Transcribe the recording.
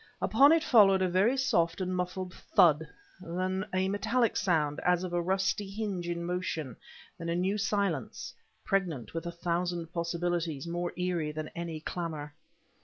Upon it followed a very soft and muffled thud; then a metallic sound as of a rusty hinge in motion; then a new silence, pregnant with a thousand possibilities more eerie than any clamor.